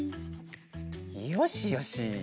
よしよし。